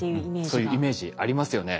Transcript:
そういうイメージありますよね。